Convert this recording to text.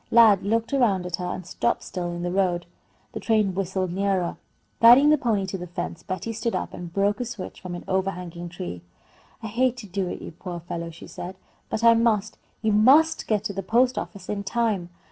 Lad looked around at her and stopped still in the road. The train whistled nearer. Guiding the pony to the fence, Betty stood up and broke a switch from an overhanging tree. "I hate to do it, you poor old fellow," she said, "but I must. You must get to the post office in time."